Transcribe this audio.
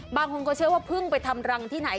บางคนก็เชื่อว่าเพิ่งไปทำรังที่ไหน